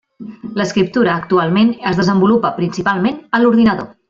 L'escriptura actualment es desenvolupa principalment a l'ordinador.